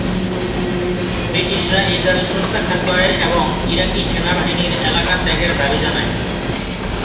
ব্রিটিশরা এই দাবি প্রত্যাখ্যান করে এবং ইরাকি সেনাবাহিনীর এলাকা ত্যাগের দাবি জানায়।